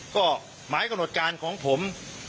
ก็หมายกำหนดการของผม